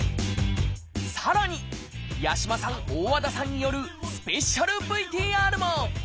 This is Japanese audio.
さらに八嶋さん大和田さんによるスペシャルＶＴＲも！